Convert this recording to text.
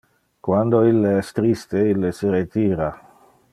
Quando ille es triste, ille se retira.